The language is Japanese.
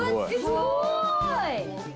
すごい。